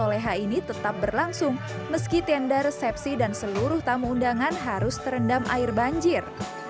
oleh h ini tetap berlangsung meski tenda resepsi dan seluruh tamu undangan harus terendam air banjir